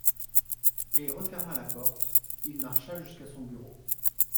Et il referma la porte, il marcha jusqu'à son bureau.